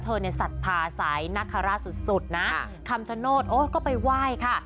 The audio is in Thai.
ถ้าเธอในศรัทธาสายนักฮาราชสุดนะคำชะโนธก็ไปไหว้ค่ะ